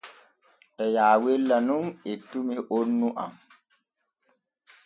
E yaawella nun ettumi honnu am.